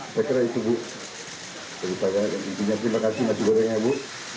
saya kira itu bu terima kasih masi gorengnya bu